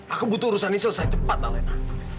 aku butuh urusan ini selesai cepat talena